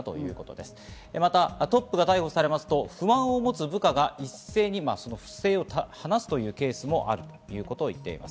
またトップが逮捕されますと、不満を持つ部下が一斉にその不正を話すというケースもあるということ言っています。